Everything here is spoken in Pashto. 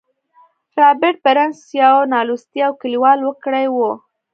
رابرټ برنس يو نالوستی او کليوال وګړی و.